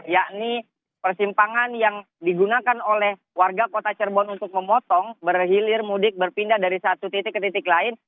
yakni persimpangan yang digunakan oleh warga kota cerbon untuk memotong berhilir mudik berpindah dari satu titik ke titik lain